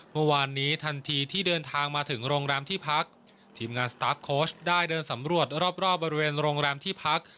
เมื่อวานนี้ทันทีที่เดินทางมาถึงโรงแรมที่พักทีมงานสตาร์ฟโค้ชได้เดินสำรวจรอบรอบบริเวณโรงแรมที่พัก